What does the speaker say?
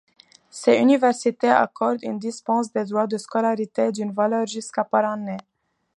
Ces universités accordent une dispense des droits de scolarité, d'une valeur jusqu'à par année.